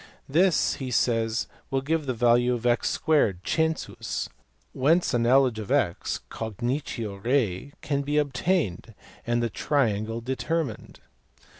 This he says will give the value of x 2 (census), whence a knowledge of x (cognitio rei) can be obtained, and the triangle determined.